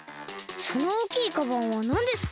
そのおおきいカバンはなんですか？